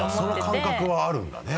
その感覚はあるんだね。